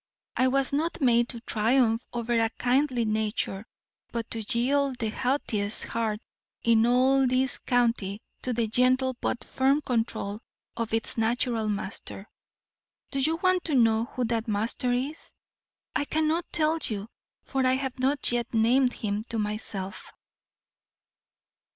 I was not made to triumph over a kindly nature, but to yield the haughtiest heart in all this county to the gentle but firm control of its natural master. Do you want to know who that master is? I cannot tell you, for I have not yet named him to myself.